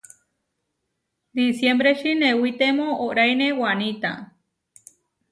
Disiembreči newitemó óʼraine wanita.